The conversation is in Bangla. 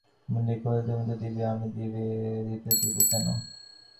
মহেন্দ্র কহিল, তুমি তো দিবে, আমি দিতে দিব কেন।